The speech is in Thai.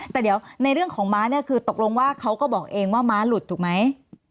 แต่เดี๋ยวในเรื่องของม้าเนี่ยคือตกลงว่าเขาก็บอกเองว่าม้าหลุดถูกไหม